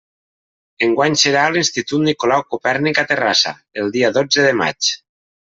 Enguany serà a l'Institut Nicolau Copèrnic a Terrassa, el dia dotze de maig.